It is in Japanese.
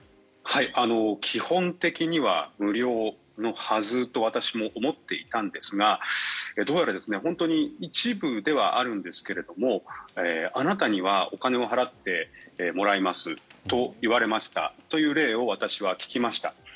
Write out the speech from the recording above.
基本的には無料のはずと私も思っていたんですがどうやら本当に一部ではあるんですがあなたにはお金を払ってもらいますと言われましたという例を私は聞きました。